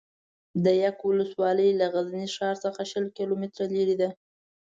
ده یک ولسوالي له غزني ښار څخه شل کیلو متره لري ده